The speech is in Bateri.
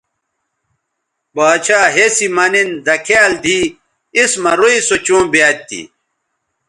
باڇھا ہسی مہ نِن دکھیال دی اِس مہ روئ سو چوں بیاد تھی